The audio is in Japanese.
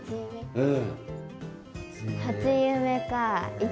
うん。